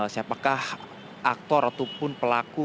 siapakah aktor ataupun pelaku